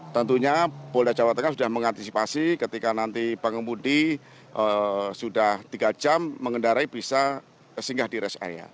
tentunya polda jawa tengah sudah mengantisipasi ketika nanti pengemudi sudah tiga jam mengendarai bisa singgah di rest area